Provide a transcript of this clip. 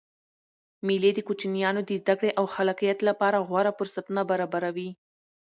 مېلې د کوچنيانو د زدکړي او خلاقیت له پاره غوره فرصتونه برابروي.